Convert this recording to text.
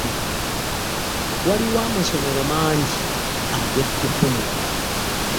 Waaliwo amasomero mangi ag'ettutumu.